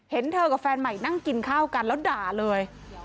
เห็นเธอกับแฟนใหม่นั่งกินข้าวกันแล้วด่าเลย